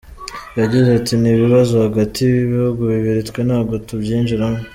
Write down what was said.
Yagize ati “Ni ibibazo hagati y’ibihugu bibiri twe ntabwo tubyinjiramo.